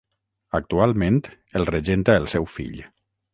Actualment el regenta el seu fill.